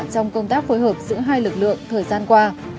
trong công tác phối hợp giữa hai lực lượng thời gian qua